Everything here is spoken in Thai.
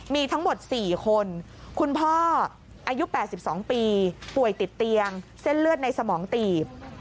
มีทั้งหมด๔คนคุณพ่ออายุ๘๒ปีป่วยติดเตียงเส้นเลือดในสมองตีบ